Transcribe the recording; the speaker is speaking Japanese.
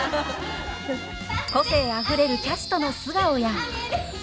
個性あふれるキャストの素顔や。